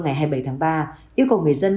ngày hai mươi bảy tháng ba yêu cầu người dân